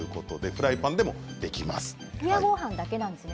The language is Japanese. フライパンでもできます。